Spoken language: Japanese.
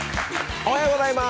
おはようございます。